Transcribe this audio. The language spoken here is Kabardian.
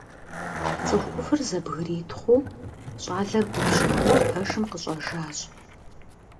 Цӏыху ӏувыр зэбгритхъуу, щӏалэр губжьауэ пэшым къыщӀэжащ.